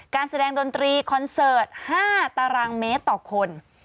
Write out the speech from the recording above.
การแสดงดนตรีคอนเสิร์ต๕ตารางเมตรต่อคน